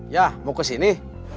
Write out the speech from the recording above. ya mau kesini